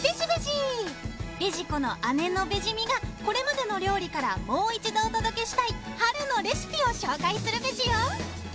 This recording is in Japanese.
ベジコの姉のベジミがこれまでの料理からもう一度お届けしたい春のレシピを紹介するベジよ